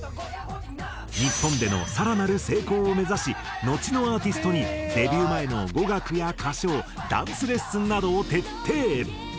日本での更なる成功を目指しのちのアーティストにデビュー前の語学や歌唱ダンスレッスンなどを徹底。